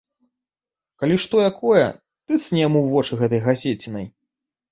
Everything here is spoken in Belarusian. Калі што якое, тыцні яму ў вочы гэтай газецінай.